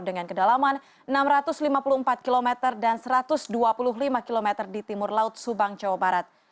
dengan kedalaman enam ratus lima puluh empat km dan satu ratus dua puluh lima km di timur laut subang jawa barat